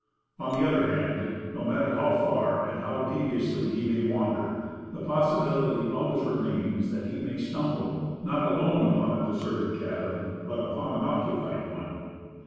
On the other hand, no matter how far and how deviously he may wander, the possibility always remains that he may stumble, not alone upon a deserted cabin, but upon an occupied one.